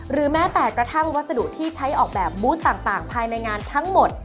แม้แต่กระทั่งวัสดุที่ใช้ออกแบบบูธต่างภายในงานทั้งหมด